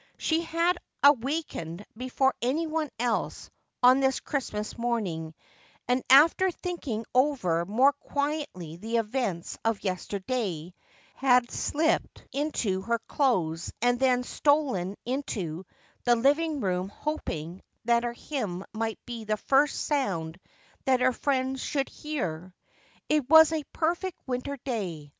She had awakened before any one else on this Christmas morning and after thinking over more quietly the events of yesterday, had slipped into her clothes and then stolen into the living room hoping that her hymn might be the first sound that her friends should hear. It was a perfect winter day.